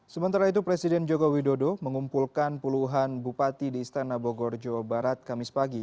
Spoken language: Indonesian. sementara itu presiden joko widodo mengumpulkan puluhan bupati di istana bogor jawa barat kamis pagi